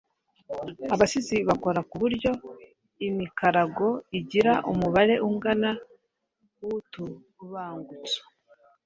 Abasizi bakora ku buryo imikarago igira umubare ungana w’utubangutso